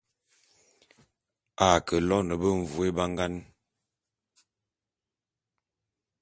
A ke lone benvôé bangan .